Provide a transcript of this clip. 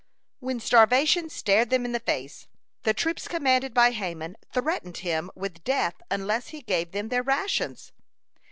When starvation stared them in the face, the troops commanded by Haman threatened him with death unless he gave them their rations.